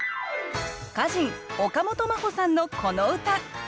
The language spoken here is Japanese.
歌人岡本真帆さんのこの歌。